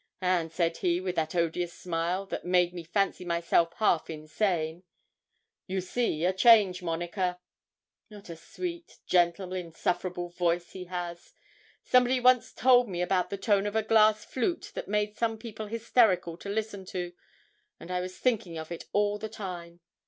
And said he, with that odious smile, that made me fancy myself half insane '"You see a change, Monica." 'What a sweet, gentle, insufferable voice he has! Somebody once told me about the tone of a glass flute that made some people hysterical to listen to, and I was thinking of it all the time.